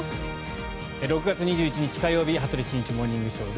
６月２１日、火曜日「羽鳥慎一モーニングショー」。